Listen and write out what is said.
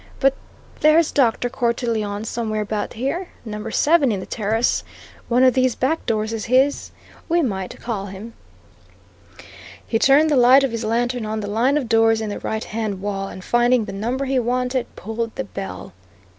"But there's Dr. Cortelyon somewhere about here number seven in the terrace. One of these back doors is his. We might call him." He turned the light of his lantern on the line of doors in the right hand wall, and finding the number he wanted, pulled the bell.